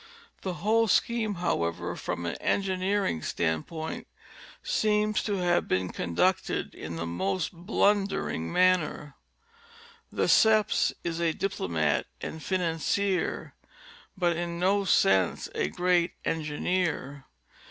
The whole scheme, however, from an engineering stand point, seems to have been conducted in the most blundering manner. Lesseps is a diplomat and financier, but in no sense a great en gineer.